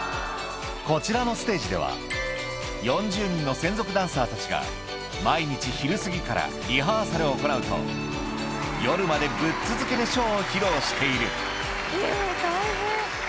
こちらのステージではが毎日昼過ぎからリハーサルを行うと夜までぶっ続けでショーを披露しているえぇ大変。